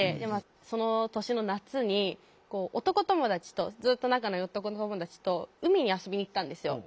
その年の夏に男友達とずっと仲のいい男友達と海に遊びに行ったんですよ。